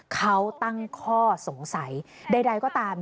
เขาตั้งข้อสงสัยใดก็ตาม